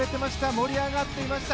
盛り上がっていました。